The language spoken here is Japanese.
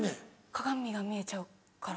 鏡が見えちゃうから。